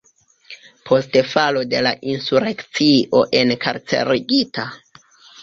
Post falo de la insurekcio enkarcerigita.